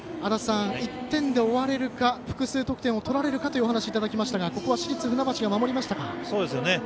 １点で終われるか複数得点取られるかと話がありましたがここは市立船橋が守りましたか。